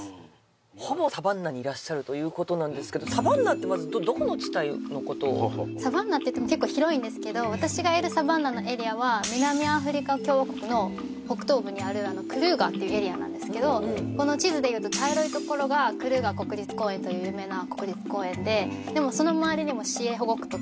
ほぼサバンナにいらっしゃるということなんですけどまずサバンナっていっても結構広いんですけど私がいるサバンナのエリアは南アフリカ共和国の北東部にあるクルーガーっていうエリアなんですけどこの地図でいうと茶色い所がクルーガー国立公園という有名な国立公園ででもそのまわりにも私営保護区とか